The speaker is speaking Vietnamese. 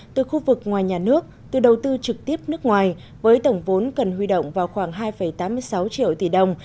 từ khu vực ngoài nhà nước từ đầu tư trực tiếp nước ngoài với tổng vốn cần huy động vào khoảng hai tám mươi sáu triệu tỷ đồng